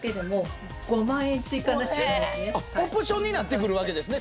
オプションになってくるわけですね。